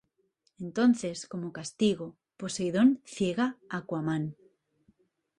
Entonces, como castigo, Poseidón ciega a Aquaman.